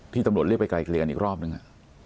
ตำรวจเรียกไปไกลเกลียกันอีกรอบนึง